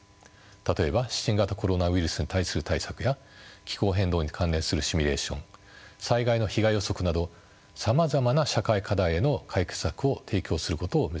例えば新型コロナウイルスに対する対策や気候変動に関連するシミュレーション災害の被害予測などさまざまな社会課題への解決策を提供することを目指しています。